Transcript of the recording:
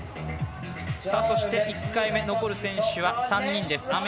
そして、１回目残る選手は３人です。